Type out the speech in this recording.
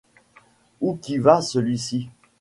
Où qui va, celui-ci ?